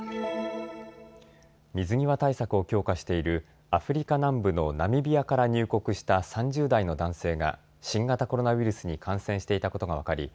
水際対策を強化しているアフリカ南部のナミビアから入国した３０代の男性が新型コロナウイルスに感染していたことが分かり